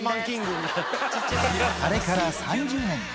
あれから３０年。